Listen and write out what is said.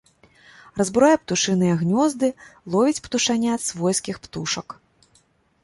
Разбурае птушыныя гнёзды, ловіць птушанят свойскіх птушак.